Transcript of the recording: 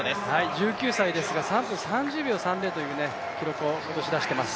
１９歳ですが３分３０秒３０という記録を今年出しています。